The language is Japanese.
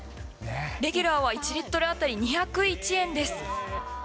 レギュラーは１リットル当たり２０１円です。